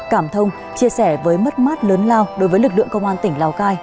cảm thông chia sẻ với mất mát lớn lao đối với lực lượng công an tỉnh lào cai